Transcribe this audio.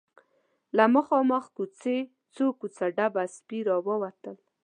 له مخامخ کوڅې څو کوڅه ډب سپي راووتل.